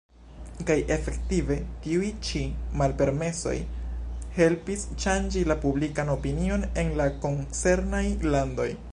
Kaj efektive tiuj ĉi malpermesoj helpis ŝanĝi la publikan opinion en la koncernaj landoj.